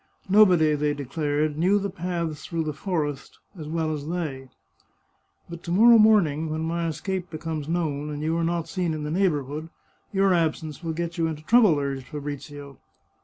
Nobody, they declared, knew the paths through the forest as well as they !" But to morrow morning, when my escape becomes known, and you are not seen in the neighbourhood, your absence will get you into trouble," urged Fabrizio.